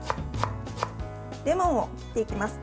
レモンを切っていきます。